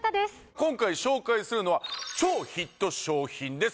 今回紹介するのは超ヒット商品です